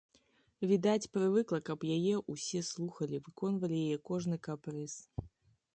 Відаць, прывыкла, каб яе ўсе слухалі, выконвалі яе кожны капрыз.